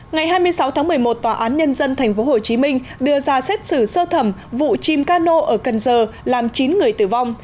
ngày hai mươi sáu tháng một mươi một tòa án nhân dân tp hcm đưa ra xét xử sơ thẩm vụ chim cano ở cần giờ làm chín người tử vong